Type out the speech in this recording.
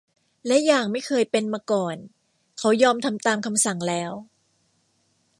และอย่างไม่เคยเป็นมาก่อน เขายอมทำตามคำสั่งแล้ว